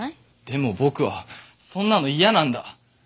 でも僕はそんなの嫌なんだ！